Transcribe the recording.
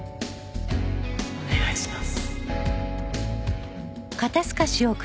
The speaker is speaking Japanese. お願いします。